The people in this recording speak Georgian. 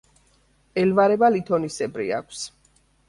ელვარება ლითონისებრი აქვს.